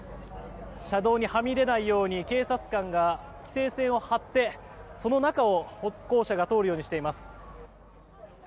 車道にはみ出ないように警察官が規制線を張ってその中を歩行者が通るようにしています。